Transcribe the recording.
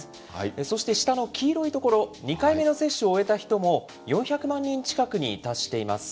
そして下の黄色いところ、２回目の接種を終えた人も４００万人近くに達しています。